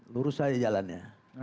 lurus aja jalannya